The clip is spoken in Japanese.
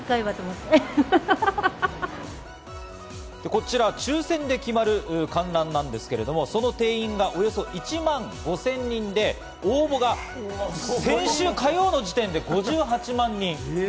こちら抽選で決まる観覧なんですけれども、その定員がおよそ１万５０００人で、応募が先週火曜の時点で５８万人。